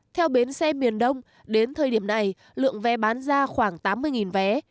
theo bến xe miền đông đến thời điểm này lượng vé bán ra khoảng tám mươi vé